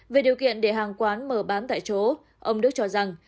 về điều kiện để hàng quán mở bán tại chỗ ông đức cho rằng